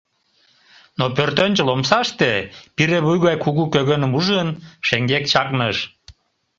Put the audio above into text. Но пӧртӧнчыл омсаште пире вуй гай кугу кӧгӧным ужын, шеҥгек чакныш.